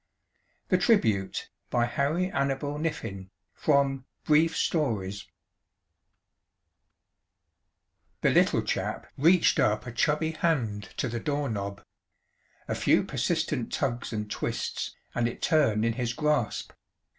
THE TRIBUTE By HARRY ANABLE KNIFFIN From Brief Stories The Little Chap reached up a chubby hand to the doorknob. A few persistent tugs and twists and it turned in his grasp.